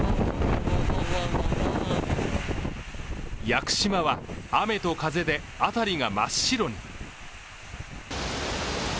屋久島は、雨と風で辺りが真っ白に。